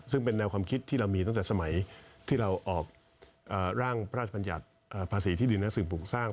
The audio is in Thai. ซึ่งเป็นแนวความคิดที่เรามีตั้งแต่สมัยที่เราออกร่างพระราชบัญญัติภาษีที่ดินและสิ่งปลูกสร้าง